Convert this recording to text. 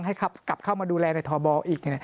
สั่งแต่งตั้งให้กลับเข้ามาดูแลในทอบอลอีก